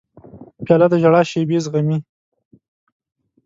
پیاله د ژړا شېبې زغمي.